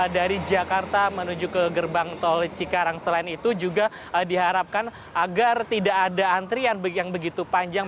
dari jakarta menuju ke gerbang tol cikarang selain itu juga diharapkan agar tidak ada antrian yang begitu panjang